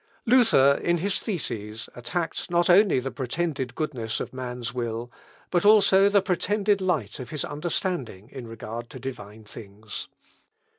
Luther, in his theses, attacked not only the pretended goodness of man's will, but also the pretended light of his understanding in regard to divine things.